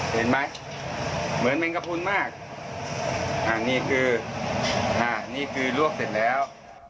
เห็นไหมเหมือนแมงกระพุนมากอ่านี่คืออ่านี่คือนี่คือลวกเสร็จแล้ว